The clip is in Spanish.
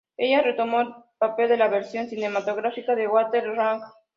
Ella retomó el papel en la versión cinematográfica de Walter Lang.